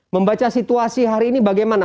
membaca situasi hari ini bagaimana